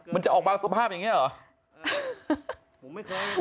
มันจะออกมาสภาพอย่างนี้เหรอ